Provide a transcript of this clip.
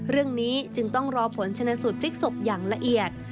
เรื่องนี้จึงต้องรอผลชนะสูตรพลิกศพอย่างละเอียด